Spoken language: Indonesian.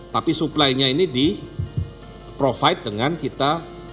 tapi supply nya ini di provide dengan kita